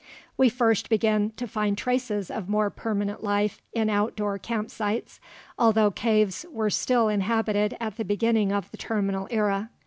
We first begin to find traces of more permanent life in outdoor camp sites, although caves were still inhabited at the beginning of the terminal era.